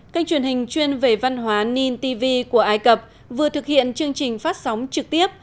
cách truyền hình chuyên về văn hóa ninh tv của ai cập vừa thực hiện chương trình phát sóng trực tiếp